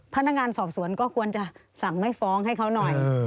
พนักงานสอบสวนก็ควรจะสั่งไม่ฟ้องให้เขาหน่อย